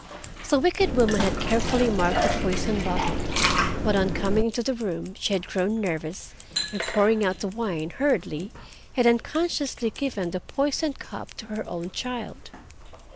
The wicked woman had carefully marked the poisoned bottle, but on coming into the room she had grown nervous, and pouring out the wine hurriedly had unconsciously given the poisoned cup to her own child.